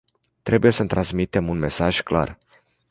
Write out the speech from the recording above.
Trebuie să transmitem un mesaj clar.